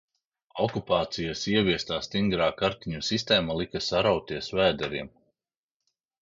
Okupācijas ievestā stingrā kartiņu sistēma lika sarauties vēderiem.